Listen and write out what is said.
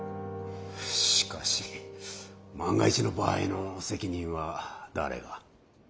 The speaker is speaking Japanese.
しかし万が一の場合の責任は誰が。